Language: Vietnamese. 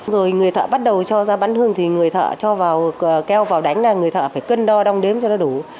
rồi người thợ bắt đầu cho ra bắn hương thì người thợ cho vào keo vào đánh là người thợ phải cân đo đong đếm cho nó đủ